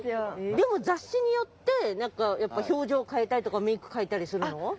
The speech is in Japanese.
でも雑誌によってなんかやっぱ表情変えたりとかメイク変えたりするの？